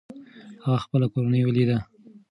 هغه خپله کورنۍ وليده.